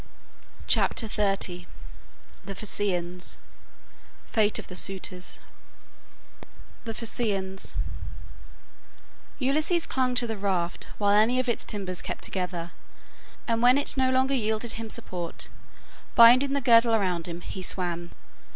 CHAPTER XXX THE PHAEACIANS FATE OF THE SUITORS THE PHAEACIANS Ulysses clung to the raft while any of its timbers kept together, and when it no longer yielded him support, binding the girdle around him, he swam.